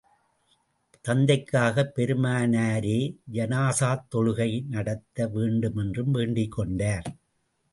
தந்தைக்காகப் பெருமானாரே ஜனாஸாத் தொழுகை நடத்த வேண்டும் என்றும் வேண்டிக் கொண்டார்.